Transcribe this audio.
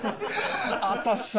私さ